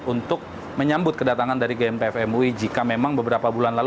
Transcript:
untuk menyambut kedatangan dari gmpf mui jika memang beberapa bulan lalu